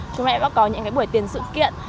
chúng em đã có những buổi tiền sự kiện